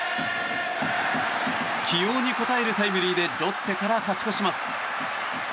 起用に応えるタイムリーでロッテから勝ち越します。